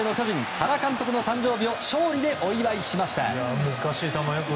原監督の誕生日を勝利でお祝いしました。